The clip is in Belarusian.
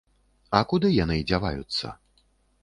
А куды яны дзяваюцца?